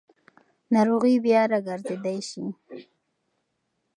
ناروغي بیا راګرځېدای شي.